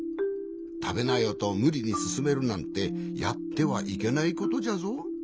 「たべなよ」とむりにすすめるなんてやってはいけないことじゃぞ。